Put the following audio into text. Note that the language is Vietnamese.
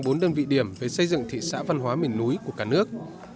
bốn đơn vị điểm về xây dựng thị xã văn hóa miền núi của cả nước